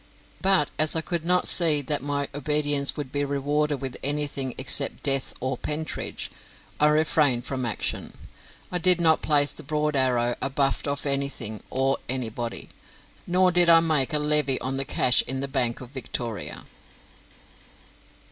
But as I could not see that my obedience would be rewarded with anything except death or Pentridge, I refrained from action. I did not place the broad arrow abaft of anything or anybody, nor did I make a levy on the cash in the Bank of Victoria.